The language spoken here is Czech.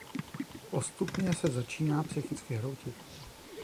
Postupně se začíná psychicky hroutit.